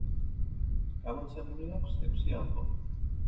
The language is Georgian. გამოცემული აქვს ექვსი ალბომი.